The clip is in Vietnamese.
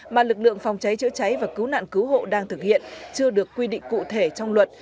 mà lực lượng phòng cháy chữa cháy và cứu nạn cứu hộ đang thực hiện chưa được quy định cụ thể trong luật